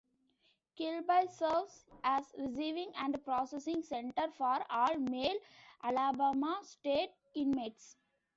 Kilby serves as receiving and processing center for all male Alabama state inmates.